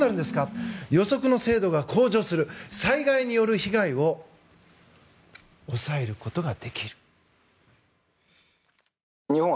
予測の精度が向上する災害による被害を抑えることができる。